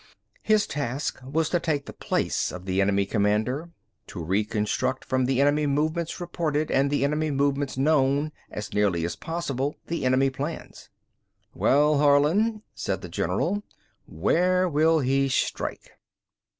His task was to take the place of the enemy commander, to reconstruct from the enemy movements reported and the enemy movements known as nearly as possible the enemy plans. "Well, Harlin," said the general, "Where will he strike?"